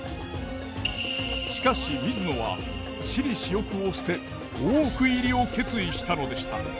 しかし水野は私利私欲を捨て大奥入りを決意したのでした。